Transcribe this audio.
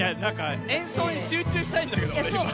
演奏に集中したいんだけど。